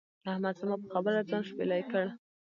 احمد زما پر خبره ځان شپېلی کړ.